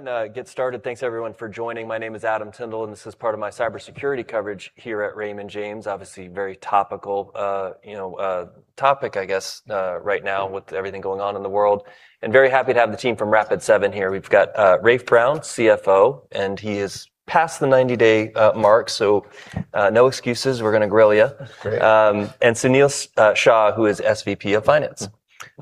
Get started. Thanks everyone for joining. My name is Adam Tindle, and this is part of my Cybersecurity Coverage here at Raymond James. Obviously, very topical, you know, topic, I guess, right now with everything going on in the world. Very happy to have the team from Rapid7 here. We've got Rafe Brown, CFO, and he is past the 90-day mark, so no excuses, we're gonna grill you. That's great. Sunil Shah, who is SVP of Finance.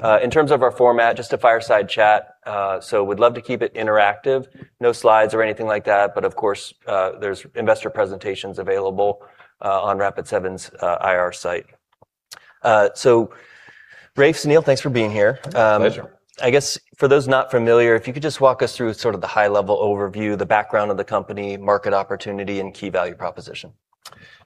Mm. In terms of our format, just a fireside chat. We'd love to keep it interactive. No slides or anything like that, but of course, there's Investor Presentations available on Rapid7's IR site. Rafe, Sunil, thanks for being here. Pleasure. I guess for those not familiar, if you could just walk us through sort of the high level overview, the background of the company, market opportunity and key value proposition.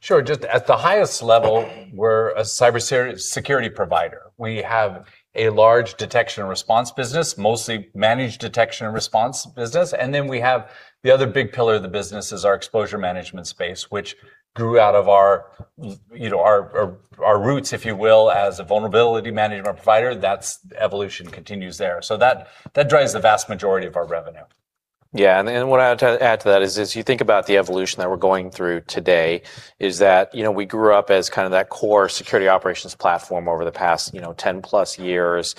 Sure. Just at the highest level, we're a cybersecurity provider. We have a large detection response business, mostly managed detection response business. We have the other big pillar of the business is our Exposure Management space, which grew out of our, you know, our roots, if you will, as a vulnerability management provider. That's evolution continues there. That drives the vast majority of our revenue. Yeah. What I would try to add to that is as you think about the evolution that we're going through today is that, you know, we grew up as kind of that core security operations platform over the past, you know, 10 plus years,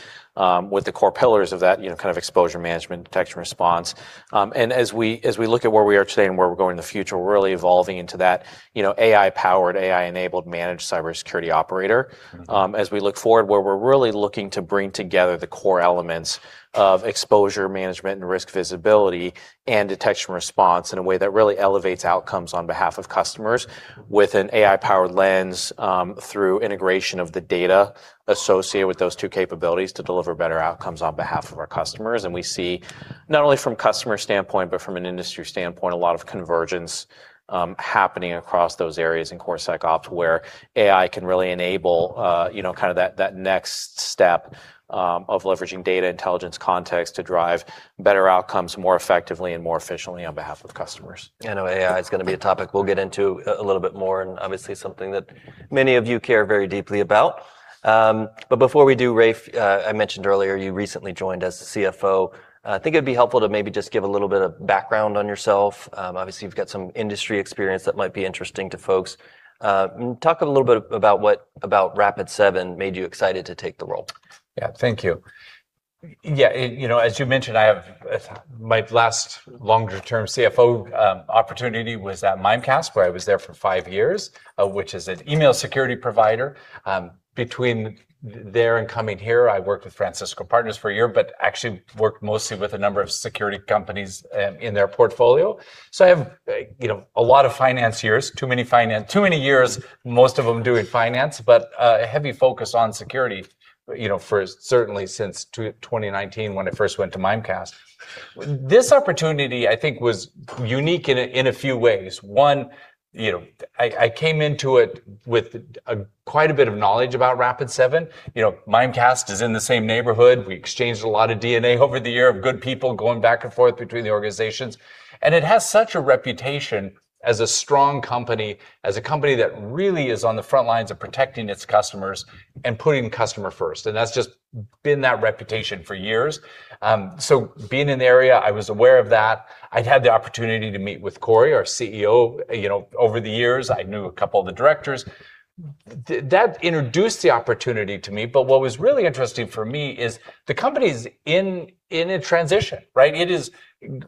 with the core pillars of that, you know, kind of Exposure Management, detection response. As we look at where we are today and where we're going in the future, we're really evolving into that, you know, AI powered, AI enabled managed cybersecurity operator. Mm-hmm. As we look forward, where we're really looking to bring together the core elements of Exposure Management and risk visibility and detection response in a way that really elevates outcomes on behalf of customers with an AI powered lens, through integration of the data associated with those two capabilities to deliver better outcomes on behalf of our customers. We see not only from customer standpoint, but from an industry standpoint, a lot of convergence happening across those areas in Core SecOps where AI can really enable the next step of leveraging data intelligence context to drive better outcomes more effectively and more efficiently on behalf of customers. I know AI is gonna be a topic we'll get into a little bit more and something that many of you care very deeply about. Before we do, Rafe, I mentioned earlier you recently joined as the CFO. I think it'd be helpful to maybe just give a little bit of background on yourself. Obviously you've got some industry experience that might be interesting to folks. Talk a little bit about what about Rapid7 made you excited to take the role. Yeah. Thank you. Yeah. You know, as you mentioned, my last longer term CFO opportunity was at Mimecast, where I was there for five years, which is an email security provider. Between there and coming here, I worked with Francisco Partners for one year, but actually worked mostly with a number of security companies in their portfolio. I have, you know, a lot of finance years, too many years, most of them doing finance, but a heavy focus on security, you know, for certainly since 2019 when I first went to Mimecast. This opportunity, I think, was unique in a few ways. One, you know, I came into it with quite a bit of knowledge about Rapid7. You know, Mimecast is in the same neighborhood. We exchanged a lot of D&A over the year of good people going back and forth between the organizations. It has such a reputation as a strong company, as a company that really is on the front lines of protecting its customers and putting customer first, and that's just been that reputation for years. So being in the area, I was aware of that. I'd had the opportunity to meet with Corey, our CEO, you know, over the years. I knew a couple of the directors. That introduced the opportunity to me. What was really interesting for me is the company's in a transition, right? It is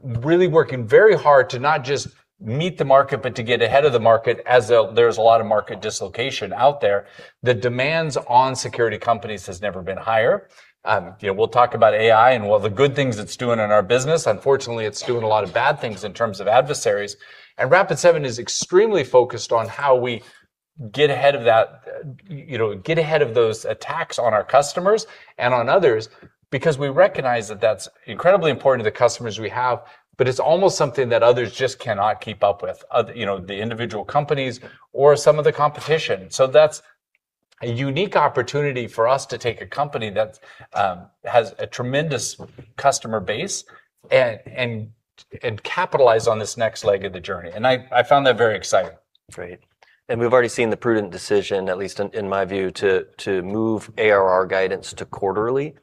really working very hard to not just meet the market, but to get ahead of the market as there's a lot of market dislocation out there. The demands on security companies has never been higher. You know, we'll talk about AI and all the good things it's doing in our business. Unfortunately, it's doing a lot of bad things in terms of adversaries. Rapid7 is extremely focused on how we get ahead of that, you know, get ahead of those attacks on our customers and on others, because we recognize that that's incredibly important to the customers we have. It's almost something that others just cannot keep up with, other, you know, the individual companies or some of the competition. That's a unique opportunity for us to take a company that has a tremendous customer base and capitalize on this next leg of the journey. I found that very exciting. Great. We've already seen the prudent decision, at least in my view, to move ARR guidance to quarterly.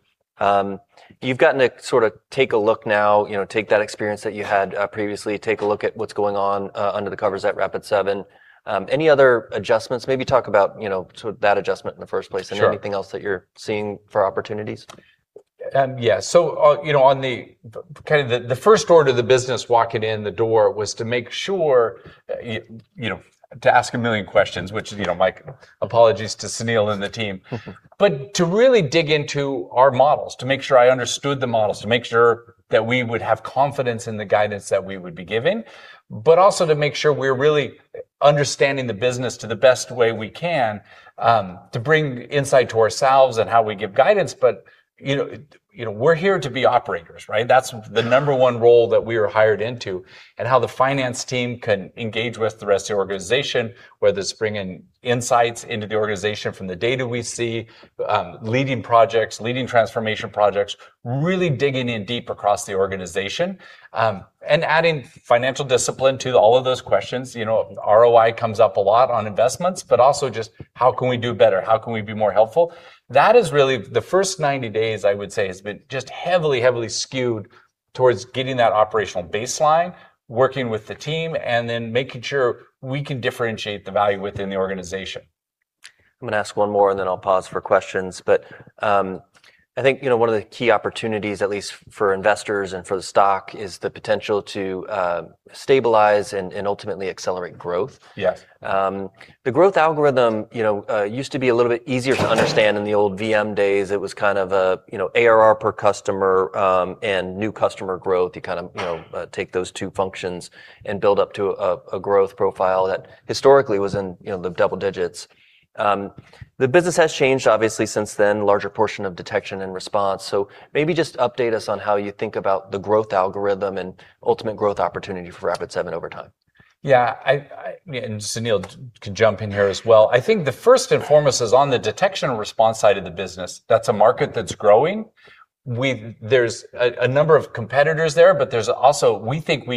You've gotten to sort of take a look now, you know, take that experience that you had, previously, take a look at what's going on, under the covers at Rapid7. Any other adjustments? Maybe talk about, you know, sort of that adjustment in the first place. Sure Anything else that you're seeing for opportunities. Yeah. You know, on the kind of the first order of the business walking in the door was to make sure, you know, to ask a million questions, which, you know, my apologies to Sunil and the team. To really dig into our models, to make sure I understood the models, to make sure that we would have confidence in the guidance that we would be giving, but also to make sure we're really understanding the business to the best way we can, to bring insight to ourselves and how we give guidance. You know, we're here to be operators, right? That's the number one role that we are hired into and how the finance team can engage with the rest of the organization, whether it's bringing insights into the organization from the data we see, leading projects, leading transformation projects, really digging in deep across the organization, and adding financial discipline to all of those questions. You know, ROI comes up a lot on investments. Also just how can we do better? How can we be more helpful? That is really the first 90 days, I would say, has been just heavily skewed towards getting that operational baseline, working with the team, and then making sure we can differentiate the value within the organization. I'm gonna ask one more and then I'll pause for questions. I think, you know, one of the key opportunities, at least for investors and for the stock, is the potential to stabilize and ultimately accelerate growth. Yeah. The growth algorithm, you know, used to be a little bit easier to understand in the old VM days. It was kind of a, you know, ARR per customer, and new customer growth. You kind of, you know, take those two functions and build up to a growth profile that historically was in, you know, the double digits. The business has changed obviously since then, larger portion of detection and response. Maybe just update us on how you think about the growth algorithm and ultimate growth opportunity for Rapid7 over time. Yeah. Sunil can jump in here as well. I think the first and foremost is on the detection and response side of the business, that's a market that's growing. There's a number of competitors there, but there's also, we think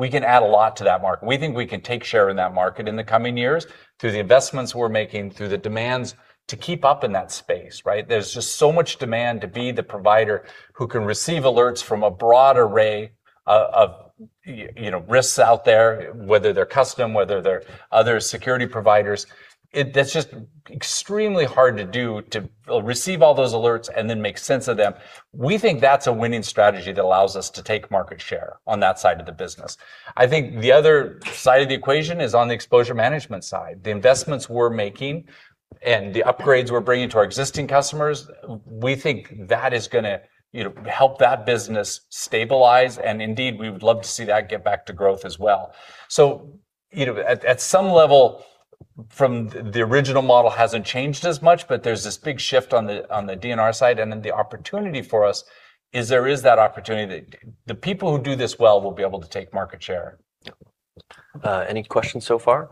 we can add a lot to that market. We think we can take share in that market in the coming years through the investments we're making, through the demands to keep up in that space, right? There's just so much demand to be the provider who can receive alerts from a broad array of you know, risks out there, whether they're custom, whether they're other security providers. That's just extremely hard to do to receive all those alerts and then make sense of them. We think that's a winning strategy that allows us to take market share on that side of the business. I think the other side of the equation is on the Exposure Management side. The investments we're making and the upgrades we're bringing to our existing customers, we think that is gonna, you know, help that business stabilize, and indeed, we would love to see that get back to growth as well. You know, at some level. The original model hasn't changed as much, but there's this big shift on the D&R side, and then the opportunity for us is there is that opportunity. The people who do this well will be able to take market share. Yep. Any questions so far?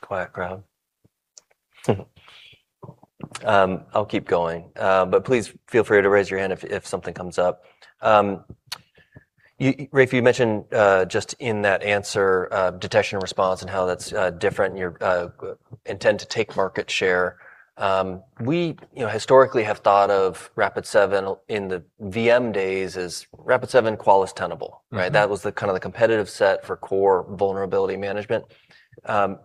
Quiet crowd. I'll keep going, but please feel free to raise your hand if something comes up. You, Rafe, you mentioned just in that answer, detection and response and how that's different and your intent to take market share. We, you know, historically have thought of Rapid7 in the VM days as Rapid7 Qualys Tenable, right? Mm-hmm. That was the kind of the competitive set for core vulnerability management.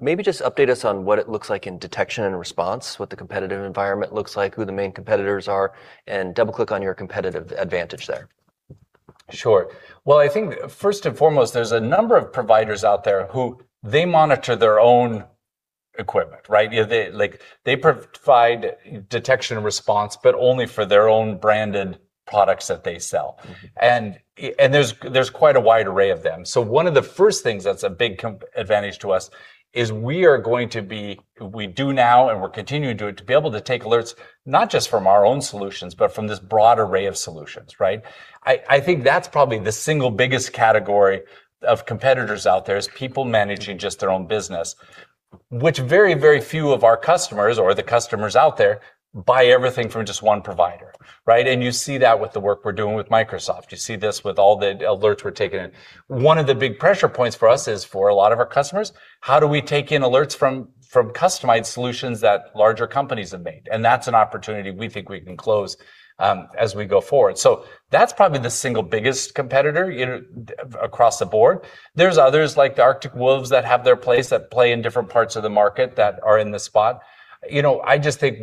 Maybe just update us on what it looks like in detection and response, what the competitive environment looks like, who the main competitors are, and double-click on your competitive advantage there? Sure. Well, I think first and foremost, there's a number of providers out there who they monitor their own equipment, right? You know, they, like, they provide detection response, but only for their own branded products that they sell. Mm-hmm. There's quite a wide array of them. One of the first things that's a big advantage to us is we are going to be, we do now and we're continuing to be able to take alerts not just from our own solutions, but from this broad array of solutions, right? I think that's probably the single biggest category of competitors out there is people managing just their own business, which very few of our customers or the customers out there buy everything from just one provider, right? You see that with the work we're doing with Microsoft. You see this with all the alerts we're taking in. One of the big pressure points for us is, for a lot of our customers, how do we take in alerts from customized solutions that larger companies have made? That's an opportunity we think we can close as we go forward. That's probably the single biggest competitor, you know, across the board. There's others like the Arctic Wolf that have their place, that play in different parts of the market that are in the spot. You know, I just think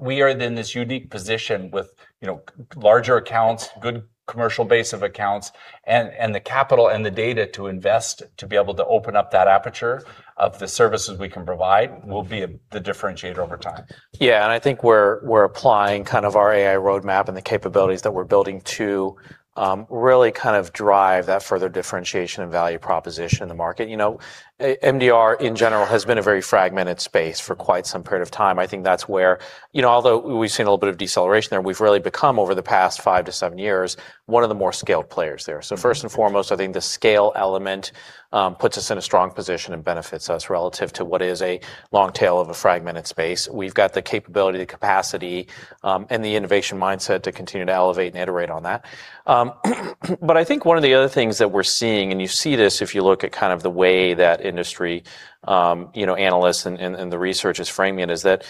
we are in this unique position with, you know, larger accounts, good commercial base of accounts, and the capital and the data to invest to be able to open up that aperture of the services we can provide will be the differentiator over time. Yeah. I think we're applying kind of our AI roadmap and the capabilities that we're building to really kind of drive that further differentiation and value proposition in the market. You know, MDR in general has been a very fragmented space for quite some period of time. I think that's where. You know, although we've seen a little bit of deceleration there, we've really become, over the past five to seven years, one of the more scaled players there. First and foremost, I think the scale element puts us in a strong position and benefits us relative to what is a long tail of a fragmented space. We've got the capability, the capacity, and the innovation mindset to continue to elevate and iterate on that. I think one of the other things that we're seeing, and you see this if you look at kind of the way that industry, you know, analysts and, and the research is framing it, is that,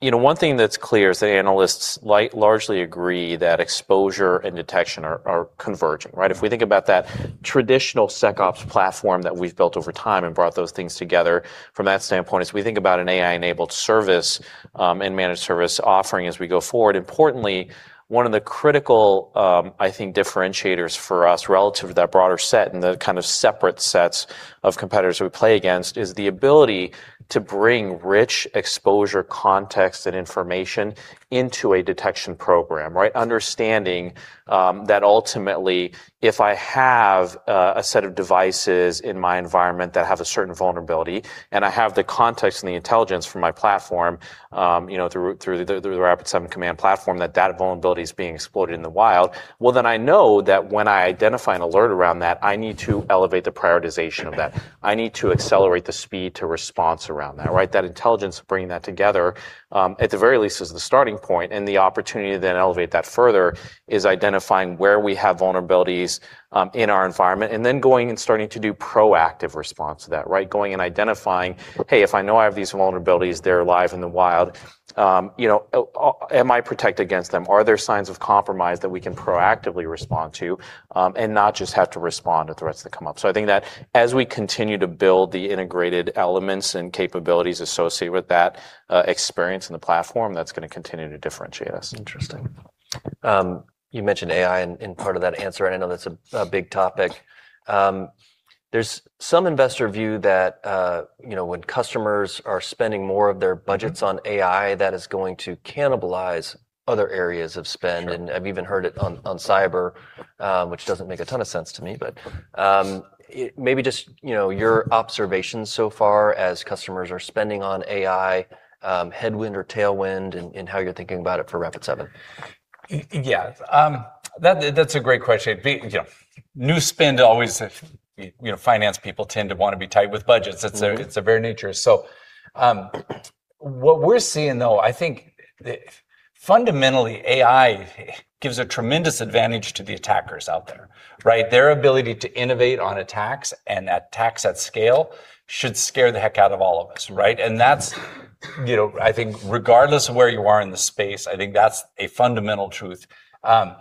you know, one thing that's clear is the analysts largely agree that exposure and detection are converging, right? If we think about that traditional SecOps platform that we've built over time and brought those things together from that standpoint, as we think about an AI-enabled service, and managed service offering as we go forward, importantly, one of the critical, I think differentiators for us relative to that broader set and the kind of separate sets of competitors we play against, is the ability to bring rich exposure, context, and information into a detection program, right? Understanding that ultimately, if I have a set of devices in my environment that have a certain vulnerability, and I have the context and the intelligence from my platform, you know, through the Rapid7 Insight Platform, that vulnerability is being exploited in the wild, well, then I know that when I identify an alert around that, I need to elevate the prioritization of that. I need to accelerate the speed to response around that, right? That intelligence of bringing that together, at the very least is the starting point, and the opportunity to then elevate that further is identifying where we have vulnerabilities in our environment, and then going and starting to do proactive response to that, right? Going and identifying, hey, if I know I have these vulnerabilities, they're live in the wild, you know, am I protected against them? Are there signs of compromise that we can proactively respond to, and not just have to respond to threats that come up? I think that as we continue to build the integrated elements and capabilities associated with that, experience in the platform, that's gonna continue to differentiate us. Interesting. You mentioned AI in part of that answer. I know that's a big topic. There's some investor view that, you know, when customers are spending more of their budgets on AI, that is going to cannibalize other areas of spend. Sure. I've even heard it on cyber, which doesn't make a ton of sense to me. Maybe just, you know, your observations so far as customers are spending on AI, headwind or tailwind and how you're thinking about it for Rapid7? Yeah. That's a great question. You know, new spend always, you know, finance people tend to wanna be tight with budgets. Mm-hmm. It's their, it's their very nature. What we're seeing though, I think fundamentally, AI gives a tremendous advantage to the attackers out there, right? Their ability to innovate on attacks and attacks at scale should scare the heck out of all of us, right? That's, you know, I think regardless of where you are in the space, I think that's a fundamental truth. I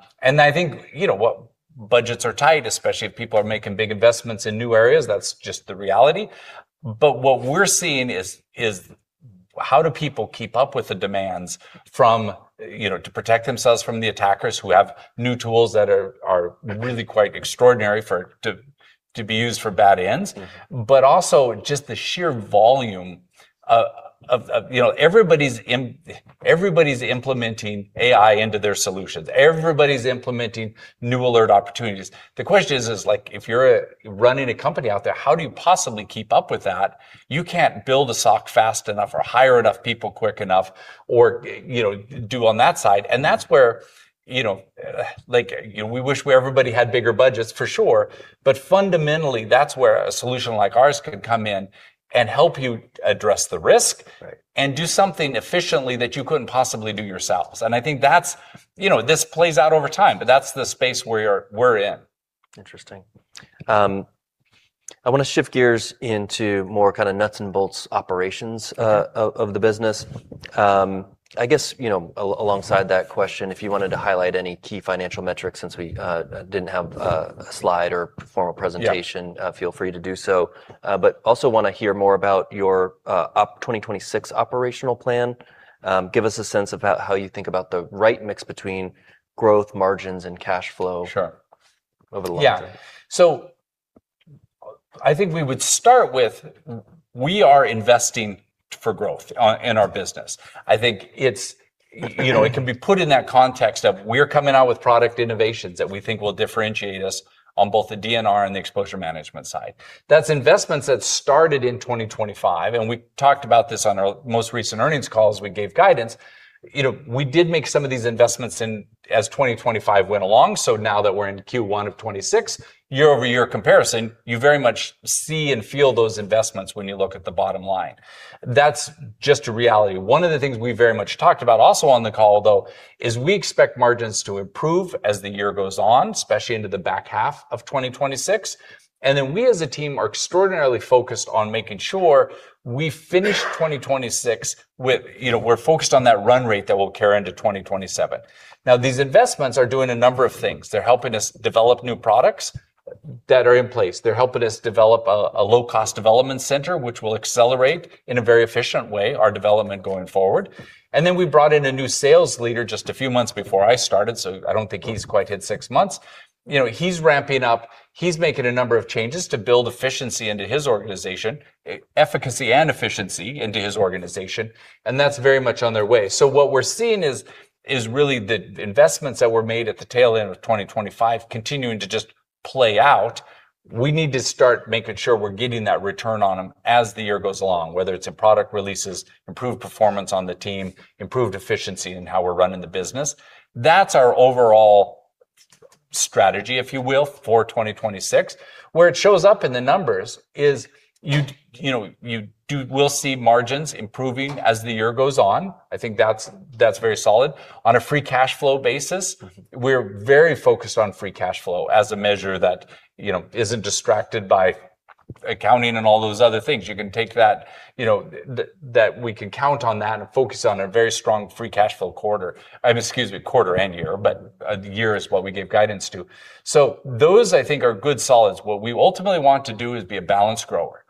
think, you know what, budgets are tight, especially if people are making big investments in new areas. That's just the reality. What we're seeing is how do people keep up with the demands from, you know, to protect themselves from the attackers who have new tools that are really quite extraordinary to be used for bad ends. Mm-hmm. Also just the sheer volume, you know, everybody's implementing AI into their solutions. Everybody's implementing new alert opportunities. The question is like if you're running a company out there, how do you possibly keep up with that? You can't build a SOC fast enough or hire enough people quick enough or, you know, do on that side. That's where, you know, like, you know, we wish where everybody had bigger budgets for sure, but fundamentally, that's where a solution like ours can come in and help you address the risk- Right... and do something efficiently that you couldn't possibly do yourselves. I think that's, you know, this plays out over time, but that's the space we're in. Interesting. I wanna shift gears into more kinda nuts and bolts operations of the business. I guess, you know, alongside that question, if you wanted to highlight any key financial metrics since we didn't have a slide or perform a presentation. Yeah feel free to do so. Also wanna hear more about your 2026 operational plan. Give us a sense of how you think about the right mix between growth margins and cash flow? Sure over the long term. I think we would start with, we are investing for growth in our business. I think it's, you know, it can be put in that context of we're coming out with product innovations that we think will differentiate us on both the D&R and the Exposure Management side. That's investments that started in 2025, and we talked about this on our most recent earnings call as we gave guidance. You know, we did make some of these investments in, as 2025 went along, so now that we're into Q1 of 2026, year-over-year comparison, you very much see and feel those investments when you look at the bottom line. That's just a reality. One of the things we very much talked about also on the call, though, is we expect margins to improve as the year goes on, especially into the back half of 2026. We as a team are extraordinarily focused on making sure we finish 2026 with, you know, we're focused on that run rate that will carry into 2027. Now, these investments are doing a number of things. They're helping us develop new products that are in place. They're helping us develop a low-cost development center, which will accelerate in a very efficient way our development going forward. We brought in a new sales leader just a few months before I started, so I don't think he's quite hit six months. You know, he's ramping up. He's making a number of changes to build efficiency into his organization, efficacy and efficiency into his organization, and that's very much on their way. What we're seeing is really the investments that were made at the tail end of 2025 continuing to just play out. We need to start making sure we're getting that return on them as the year goes along, whether it's in product releases, improved performance on the team, improved efficiency in how we're running the business. That's our overall strategy, if you will, for 2026. Where it shows up in the numbers is you know, We'll see margins improving as the year goes on. I think that's very solid. On a free cash flow basis- Mm-hmm we're very focused on free cash flow as a measure that, you know, isn't distracted by accounting and all those other things. You can take that, you know, that we can count on that and focus on a very strong free cash flow quarter. Excuse me, quarter and year, the year is what we gave guidance to. Those, I think, are good solids. What we ultimately want to do is be a balanced grower.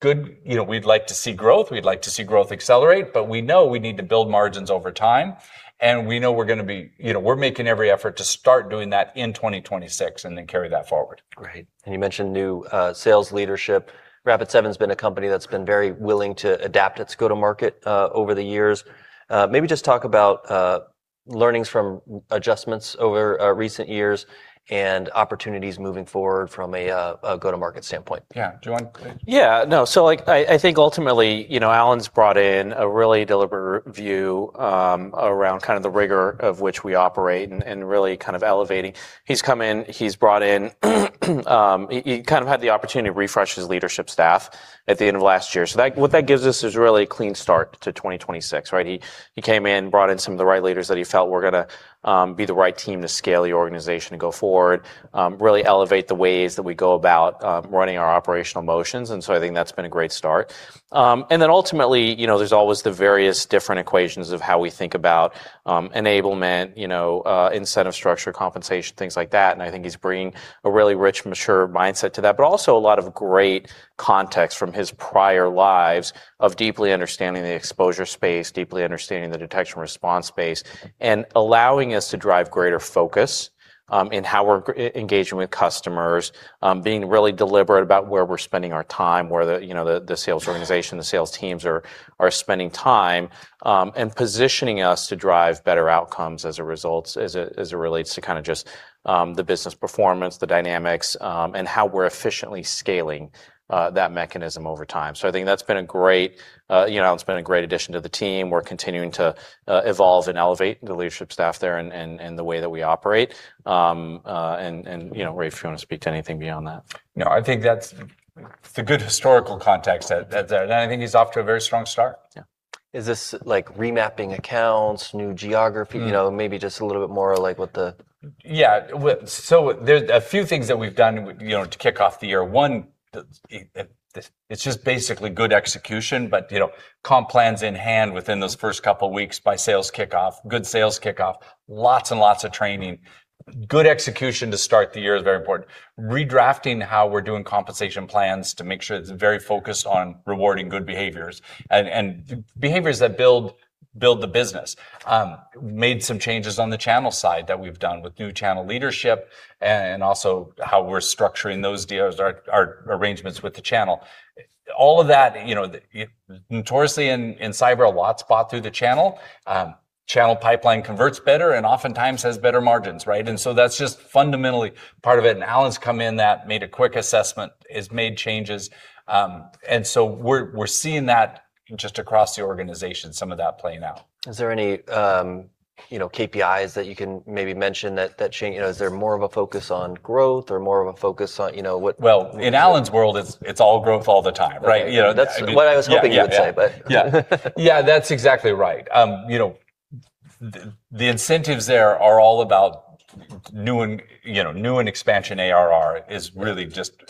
Good, you know, we'd like to see growth, we'd like to see growth accelerate, but we know we need to build margins over time, and we know we're gonna be. We're making every effort to start doing that in 2026 and then carry that forward. Great. You mentioned new sales leadership. Rapid7's been a company that's been very willing to adapt its go-to-market over the years. Maybe just talk about learnings from adjustments over recent years and opportunities moving forward from a go-to-market standpoint. Yeah. Do you wanna go ahead? Yeah. No. Like, I think ultimately, you know, Allan's brought in a really deliberate view, around kind of the rigor of which we operate and really kind of elevating. He's come in, he's brought in, he kind of had the opportunity to refresh his leadership staff at the end of last year. That, what that gives us is really a clean start to 2026, right? He came in, brought in some of the right leaders that he felt were gonna be the right team to scale the organization to go forward, really elevate the ways that we go about running our operational motions, I think that's been a great start. And then ultimately, you know, there's always the various different equations of how we think about enablement, you know, incentive structure, compensation, things like that, and I think he's bringing a really rich, mature mindset to that, but also a lot of great context from his prior lives of deeply understanding the exposure space, deeply understanding the detection and response space, and allowing us to drive greater focus in how we're engaging with customers, being really deliberate about where we're spending our time, where the, you know, the sales organization, the sales teams are spending time, and positioning us to drive better outcomes as a result, as it, as it relates to kind of just the business performance, the dynamics, and how we're efficiently scaling that mechanism over time. I think that's been a great, you know, Allan's been a great addition to the team. We're continuing to evolve and elevate the leadership staff there and the way that we operate. You know, Rafe, if you wanna speak to anything beyond that. No, I think The good historical context that there. I think he's off to a very strong start. Yeah. Is this like remapping accounts, new geography? Mm. You know, maybe just a little bit more like. There's a few things that we've done with, you know, to kick off the year. One, it's just basically good execution, but, you know, comp plan's in hand within those first couple of weeks by sales kickoff. Good sales kickoff, lots and lots of training. Good execution to start the year is very important. Redrafting how we're doing compensation plans to make sure it's very focused on rewarding good behaviors and behaviors that build the business. Made some changes on the channel side that we've done with new channel leadership and also how we're structuring those deals, our arrangements with the channel. All of that, you know, notoriously in cyber, a lot's bought through the channel. Channel pipeline converts better and oftentimes has better margins, right? That's just fundamentally part of it, Allan's come in, that made a quick assessment, has made changes, we're seeing that just across the organization, some of that playing out. Is there any, you know, KPIs that you can maybe mention that change? You know, is there more of a focus on growth or more of a focus on, you know? Well, in Allan's world, it's all growth all the time, right? You know, I mean- That's what I was hoping you'd say. Yeah. Yeah. Yeah, that's exactly right. You know, the incentives there are all about new and, you know, new and expansion ARR is really just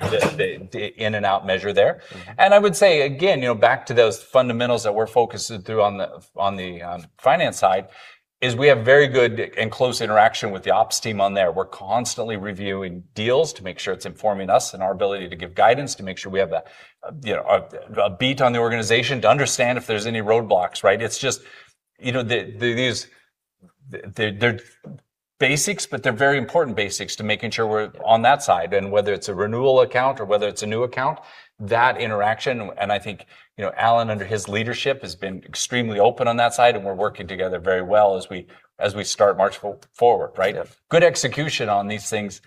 the in and out measure there. Mm-hmm. I would say again, you know, back to those fundamentals that we're focusing through on the, on the finance side, is we have very good and close interaction with the ops team on there. We're constantly reviewing deals to make sure it's informing us and our ability to give guidance, to make sure we have a, you know, a beat on the organization to understand if there's any roadblocks, right? It's just, you know, the these... They're basics, but they're very important basics to making sure we're on that side. Whether it's a renewal account or whether it's a new account, that interaction, and I think, you know, Allan, under his leadership, has been extremely open on that side and we're working together very well as we, as we start March forward, right? Yeah. Good execution on these things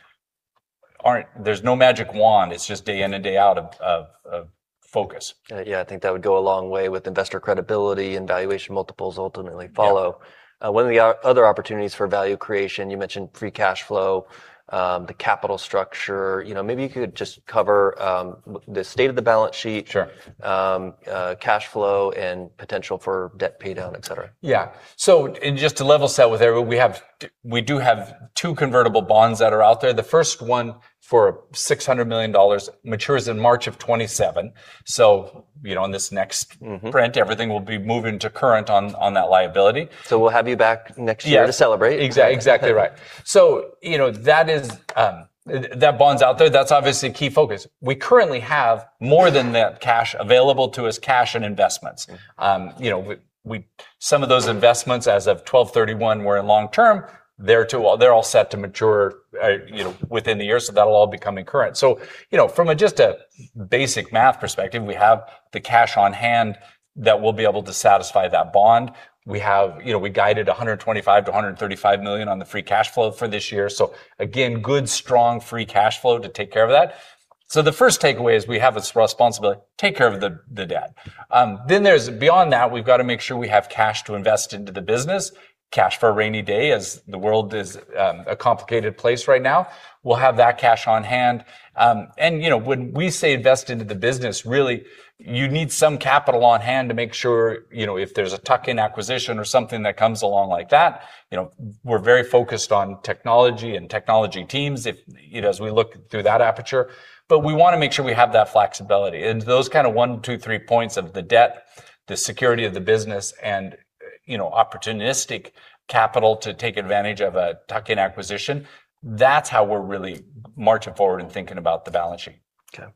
aren't... There's no magic wand. It's just day in and day out of focus. Yeah, I think that would go a long way with investor credibility and valuation multiples ultimately follow. Yeah. One of the other opportunities for value creation, you mentioned free cash flow, the capital structure. You know, maybe you could just cover the state of the balance sheet. Sure cash flow and potential for debt pay down, et cetera. Yeah. Just to level set with everyone, we do have two convertible bonds that are out there. The first one for $600 million matures in March of 2027. you know, in this next. Mm-hmm print, everything will be moving to current on that liability. We'll have you back next year to celebrate. Yeah. Exactly right. You know, that is that bond's out there. That's obviously a key focus. We currently have more than that cash available to us, cash and investments. Mm. You know, we, some of those investments as of 12/31 were in long term. They're all set to mature, you know, within the year, so that'll all become in current. You know, from a, just a basic math perspective, we have the cash on hand that will be able to satisfy that bond. We have, you know, we guided $125 million-$135 million on the free cash flow for this year. Again, good, strong free cash flow to take care of that. The first takeaway is we have this responsibility to take care of the debt. Then there's, beyond that, we've got to make sure we have cash to invest into the business, cash for a rainy day as the world is, a complicated place right now. We'll have that cash on hand. You know, when we say invest into the business, really you need some capital on hand to make sure, you know, if there's a tuck-in acquisition or something that comes along like that, you know, we're very focused on technology and technology teams if, you know, as we look through that aperture. We wanna make sure we have that flexibility. Those kind of one, two, three points of the debt, the security of the business, and, you know, opportunistic capital to take advantage of a tuck-in acquisition, that's how we're really marching forward and thinking about the balance sheet. Okay.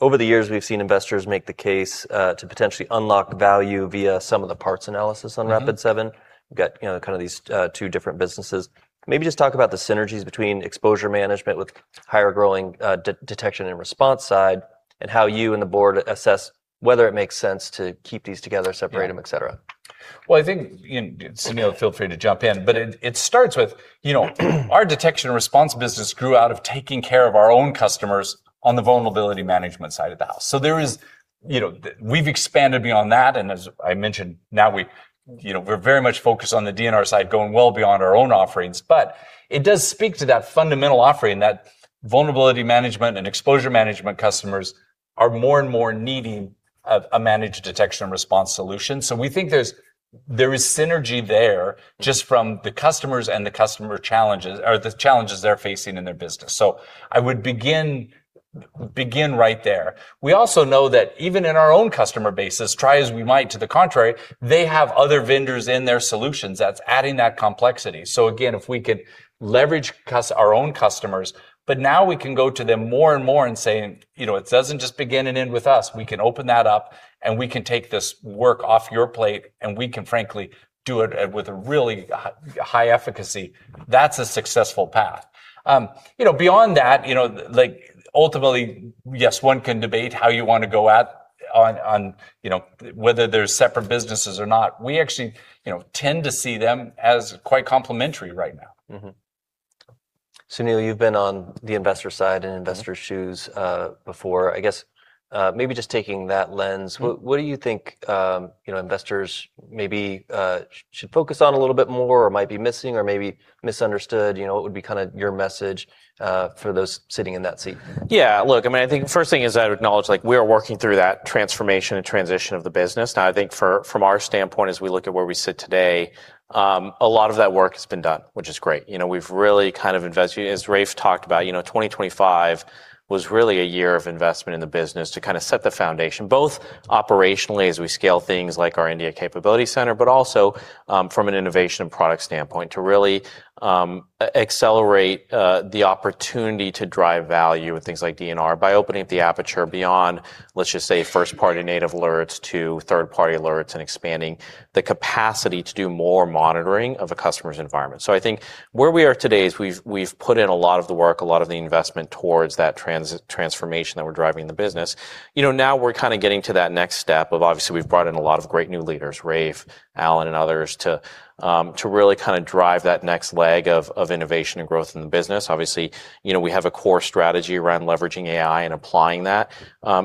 Over the years we've seen investors make the case to potentially unlock value via sum-of-the-parts analysis on Rapid7. Mm. We've got, you know, kind of these, two different businesses. Maybe just talk about the synergies between Exposure Management with higher growing, Detection and Response side and how you and the board assess whether it makes sense to keep these together, separate them. Yeah et cetera. Well, I think, and Sunil, feel free to jump in, but it starts with, you know, our detection and response business grew out of taking care of our own customers on the vulnerability management side of the house. There is, you know, we've expanded beyond that, and as I mentioned, now we, you know, we're very much focused on the D&R side, going well beyond our own offerings. It does speak to that fundamental offering, that vulnerability management and Exposure Management customers are more and more needing of a Managed Detection and Response solution. We think there is synergy there just from the customers and the customer challenges or the challenges they're facing in their business. I would begin right there. We also know that even in our own customer bases, try as we might to the contrary, they have other vendors in their solutions that's adding that complexity. Again, if we could leverage our own customers, now we can go to them more and more and say, "You know, it doesn't just begin and end with us. We can open that up, and we can take this work off your plate, and we can frankly do it at, with a really high efficacy," that's a successful path. You know, beyond that, you know, like ultimately, yes, one can debate how you wanna go at on, you know, whether they're separate businesses or not. We actually, you know, tend to see them as quite complementary right now. Mm-hmm. Sunil, you've been on the Investor side- Mm-hmm in Investors' shoes, before. I guess, maybe just taking that. Mm what do you think, you know, investors maybe should focus on a little bit more or might be missing or maybe misunderstood? You know, what would be kinda your message for those sitting in that seat? Yeah. Look, I mean, I think first thing is I would acknowledge, like, we are working through that transformation and transition of the business. I think for, from our standpoint as we look at where we sit today, a lot of that work has been done, which is great. You know, we've really kind of invested, as Rafe talked about, you know, 2025 was really a year of investment in the business to kinda set the foundation, both operationally as we scale things like our India capability center. Also, from an innovation product standpoint to really accelerate the opportunity to drive value with things like D&R by opening up the aperture beyond, let's just say first party native alert to third party alerts and expanding the capacity to do more monitoring of a customer's environment. I think where we are today is we've put in a lot of the work, a lot of the investment towards that transformation that we're driving the business. You know, now we're kinda getting to that next step of obviously we've brought in a lot of great new leaders, Rafe, Allan, and others, to really kinda drive that next leg of innovation and growth in the business. Obviously, you know, we have a core strategy around leveraging AI and applying that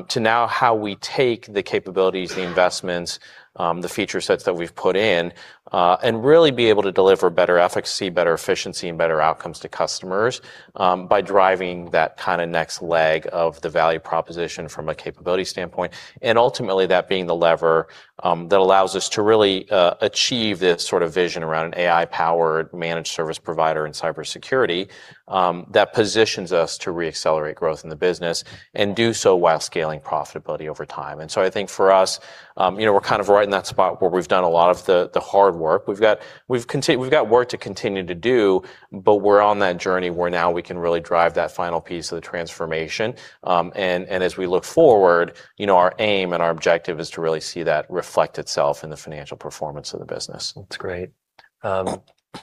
to now how we take the capabilities, the investments, the feature sets that we've put in, and really be able to deliver better efficacy, better efficiency, and better outcomes to customers by driving that kinda next leg of the value proposition from a capability standpoint, and ultimately that being the lever that allows us to really achieve this sorta vision around an AI powered managed service provider and cybersecurity that positions us to re-accelerate growth in the business and do so while scaling profitability over time. I think for us, you know, we're kind of right in that spot where we've done a lot of the hard work. We've got work to continue to do, but we're on that journey where now we can really drive that final piece of the transformation. As we look forward, you know, our aim and our objective is to really see that reflect itself in the financial performance of the business. That's great.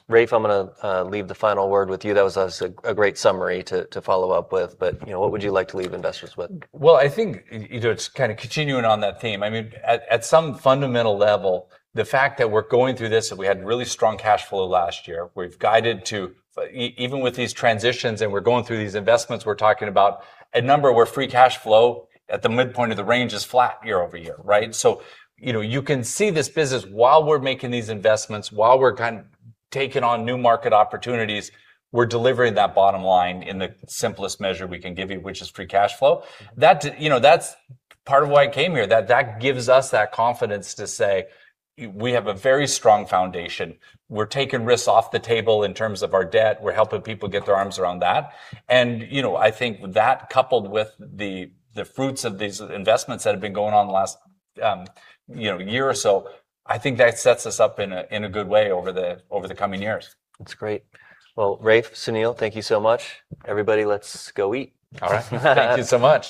Rafe, I'm gonna leave the final word with you. That was a great summary to follow up with, but, you know, what would you like to leave investors with? Well, I think, you know, it's kinda continuing on that theme. I mean, at some fundamental level, the fact that we're going through this and we had really strong cash flow last year, we've guided to even with these transitions and we're going through these investments, we're talking about a number where free cash flow at the midpoint of the range is flat year-over-year, right? You know, you can see this business while we're making these investments, while we're kind of taking on new market opportunities, we're delivering that bottom line in the simplest measure we can give you, which is free cash flow. That, you know, that's part of why I came here, that gives us that confidence to say we have a very strong foundation. We're taking risks off the table in terms of our debt. We're helping people get their arms around that, and, you know, I think that coupled with the fruits of these investments that have been going on the last, you know, year or so, I think that sets us up in a, in a good way over the, over the coming years. That's great. Rafe, Sunil, thank you so much. Everybody, let's go eat. All right. Thank you so much.